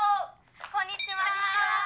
「こんにちは」